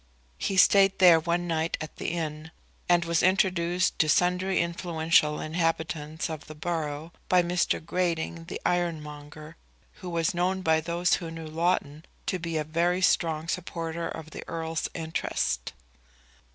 He stayed there one night at the inn, and was introduced to sundry influential inhabitants of the borough by Mr. Grating, the ironmonger, who was known by those who knew Loughton to be a very strong supporter of the Earl's interest.